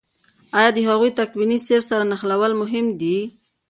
آیا د هغوی تکويني سير سره نښلول مهم دي؟